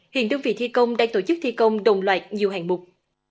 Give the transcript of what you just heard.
hiện đơn vị thi công đang tổ chức thi công đồng loạt nhiều hàng mục